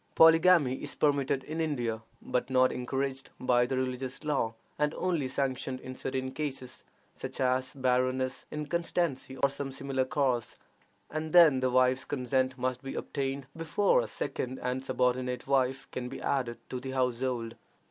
Polygamy is permitted in India, but not encouraged by the religious law, and only sanctioned in certain cases, such as barrenness, inconstancy, or some similar cause, and then the wife's consent must be obtained before a second and subordinate wife can be added to the household.